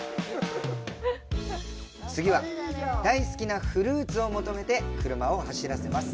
次は大好きなフルーツを求めて車を走らせます。